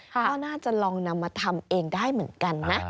ก็น่าจะลองนำมาทำเองได้เหมือนกันนะ